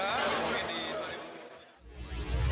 mungkin di tahun ini